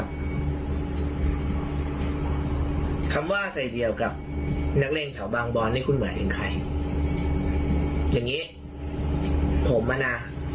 ท่านเนี่ยต่อยกับผมปะล่ะ